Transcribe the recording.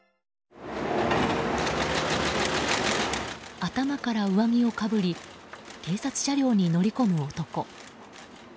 頭から上着をかぶり警察車両に乗り込む男。